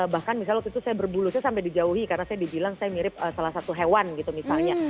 bahkan misalnya waktu itu saya berbulusnya sampai dijauhi karena saya dibilang saya mirip salah satu hewan gitu misalnya